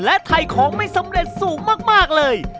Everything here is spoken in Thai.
และถ่ายของไม่สำเร็จสูงมากเลย